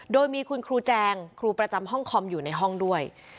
โดยมีคุณครูแจงครูประจำห้องคอมอยู่ในห้องด้วย